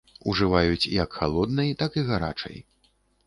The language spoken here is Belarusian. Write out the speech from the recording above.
Ужываюць як халоднай, так і гарачай.